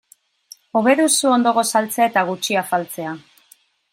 Hobe duzu ondo gosaltzea eta gutxi afaltzea.